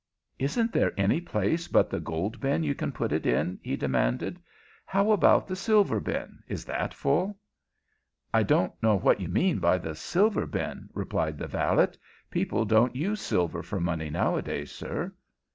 "Isn't there any place but the gold bin you can put it in?" he demanded. "How about the silver bin, is that full?" "I don't know what you mean by the silver bin," replied the valet. "People don't use silver for money nowadays, sir."